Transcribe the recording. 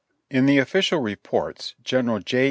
In the official reports, General J.